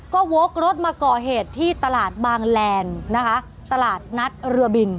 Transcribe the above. ก็วกรถมาก่อเหตุที่ตลาดบางแลนด์นะคะตลาดนัดเรือบิน